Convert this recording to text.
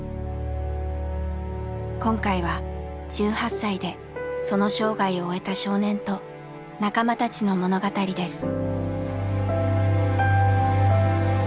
今回は１８歳でその生涯を終えた少年と仲間たちの物語です。